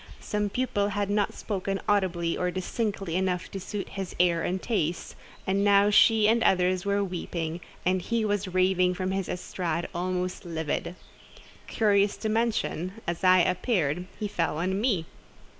Some pupil had not spoken audibly or distinctly enough to suit his ear and taste, and now she and others were weeping, and he was raving from his estrade, almost livid. Curious to mention, as I appeared, he fell on me.